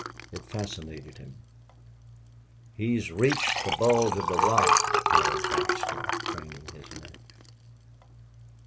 It fascinated him. "He's reached the bulge of rock," called Baxter, craning his neck.